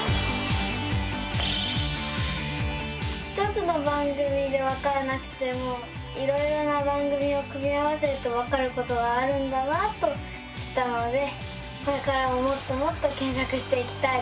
１つの番組でわからなくてもいろいろな番組を組み合わせるとわかることがあるんだなと知ったのでこれからももっともっと検索していきたいです。